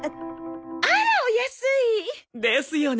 あらお安い！ですよね！